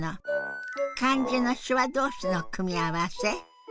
漢字の手話どうしの組み合わせ